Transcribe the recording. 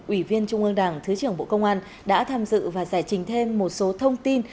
ủy viên trung ương đảng thứ trưởng bộ công an đã tham dự và giải trình thêm một số thông tin